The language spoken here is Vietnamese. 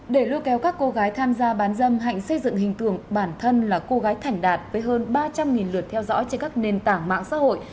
để lưu kéo các cô gái tham gia bán dâm hạnh xây dựng hình tượng bản thân là cô gái thảnh đạt với hơn ba trăm linh lượt theo dõi trên các nền tảng mạng xã hội